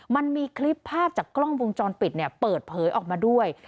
มันมีคลิปภาพจากกล้องวงจรปิดเปิดเผยออกมาด้วย